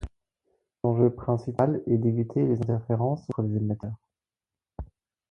L'enjeu principal est d'éviter les interférences entre les émetteurs.